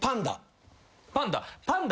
パンダ。